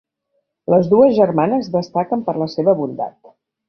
Les dues germanes destaquen per la seva bondat.